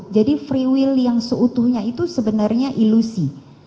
jadi free will yang seutuhnya itu sebenarnya ilusi